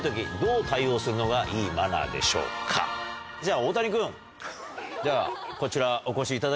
じゃあ大谷君こちらお越しいただけますか？